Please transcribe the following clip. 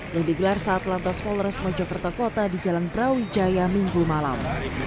yang digelar saat lantas polres mojokerto kota di jalan brawijaya minggu malam